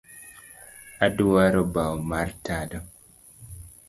Aduaro bau mar tado